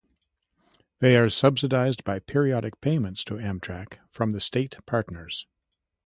They are subsidized by periodic payments to Amtrak from the state partners.